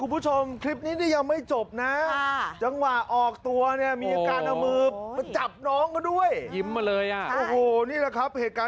พอดีแต่ไม่พร้อมขึ้นแล้วแล้วค่ะ